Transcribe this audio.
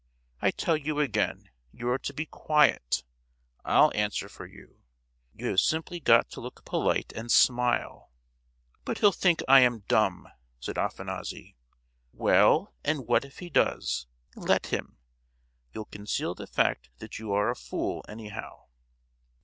I tell you again, you are to be quiet. I'll answer for you. You have simply got to look polite, and smile!" "But he'll think I am dumb!" said Afanassy. "Well, and what if he does. Let him! You'll conceal the fact that you are a fool, anyhow!"